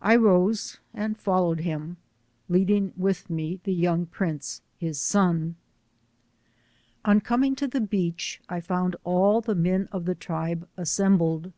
I rose and followed him, leading with me the young prince, his bod. On coming to the beach I found all the men of the tribe assembled.